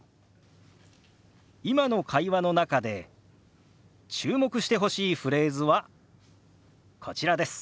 今の会話の中で注目してほしいフレーズはこちらです。